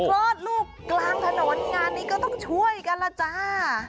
คลอดลูกกลางถนนงานนี้ก็ต้องช่วยกันล่ะจ้า